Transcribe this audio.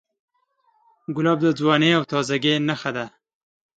ګلاب د ځوانۍ او تازهګۍ نښه ده.